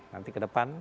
nanti ke depan